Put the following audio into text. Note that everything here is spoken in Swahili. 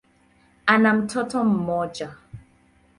Ana mtoto mmoja.